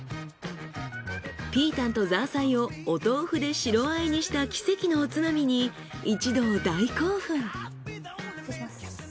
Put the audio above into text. ピータンとザーサイをお豆腐で白和えにした奇跡のおつまみに一同大興奮。